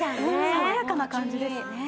爽やかな感じですね